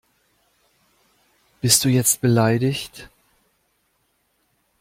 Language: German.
Bist du jetzt beleidigt?